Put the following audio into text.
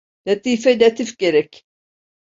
Latife latif gerek.